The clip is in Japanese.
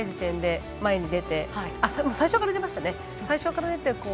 最初から出ていましたね。